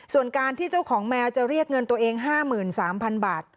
ส่วนการที่เจ้าของแมวจะเรียกเงินตัวเอง๕๓๐๐๐บาท